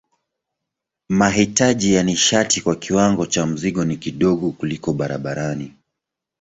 Mahitaji ya nishati kwa kiwango cha mzigo ni kidogo kuliko barabarani.